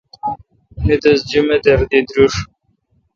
می تس جمدار دی درس۔